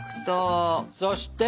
そして。